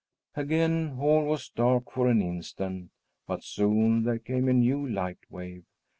Again, all was dark for an instant, but soon there came a new light wave.